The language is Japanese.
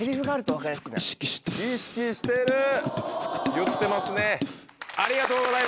言ってますね。